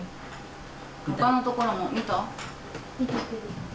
ほかのところも見た？